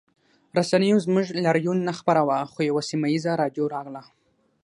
رسنیو زموږ لاریون نه خپراوه خو یوه سیمه ییزه راډیو راغله